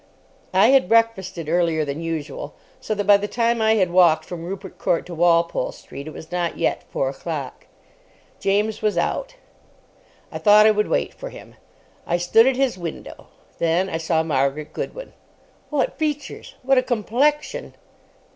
I had breakfasted earlier than usual, so that by the time I had walked from Rupert Court to Walpole Street it was not yet four o'clock. James was out. I thought I would wait for him. I stood at his window. Then I saw Margaret Goodwin. What features! What a complexion!